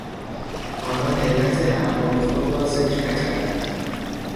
آنان علت اعمال خود را ذکر نکردند.